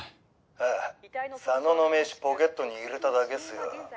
えぇ佐野の名刺ポケットに入れただけっすよ。